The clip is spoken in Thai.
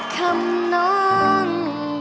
คำนอง